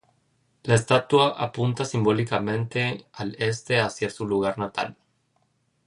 La estatua apunta simbólicamente al este hacia su lugar natal.